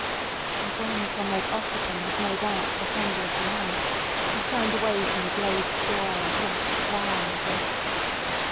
And when Comrade Ossipon had made out the handle of the knife he turned away from the glazed door, and retched violently.